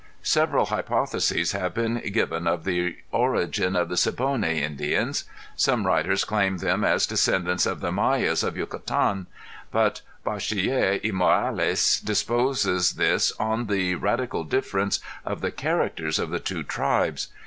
Several hypotheses have been given of the origin of the Siboney Indians. Some writers claim them as descendants of the Mayas of Yucatan, but Bachiller y Morales disposes this on the radical difference of the characters of the two tribes.